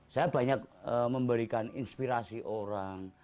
saya banyak memberikan inspirasi orang